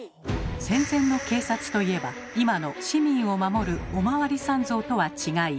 戦前の警察といえば今の市民を守るお巡りさん像とは違い。